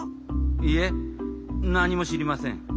いえなにもしりません。